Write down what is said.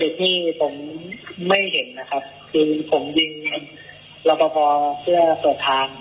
เอ่อเด็กเด็กที่ผมไม่เห็นนะครับคือผมยิงลบบอพอเพื่อประทาน